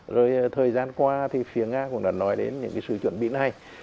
rồi thời gian qua thì phía nga cũng đã nói đến những cái sự chuẩn bị này